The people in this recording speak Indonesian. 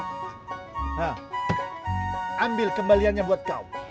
nah ambil kembaliannya buat kau